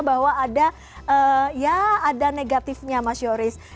bahwa ada ya ada negatifnya mas yoris